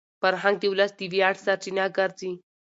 فرهنګ د ولس د ویاړ سرچینه ګرځي.